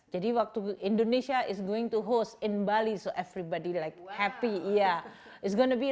jadi indonesia akan menjadi host di bali jadi semua orang akan bahagia